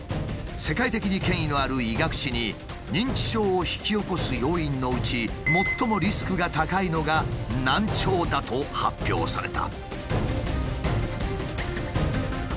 世界的に権威のある医学誌に認知症を引き起こす要因のうち最もリスクが高いのが難聴だと発表された。